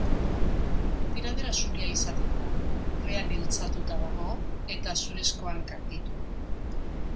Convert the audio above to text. Tiradera zuria izaten da, lurrean iltzatuta dago, eta zurezko hankak ditu.